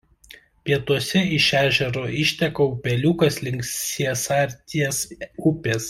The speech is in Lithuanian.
Pietuose iš ežero išteka upeliukas link Siesarties upės.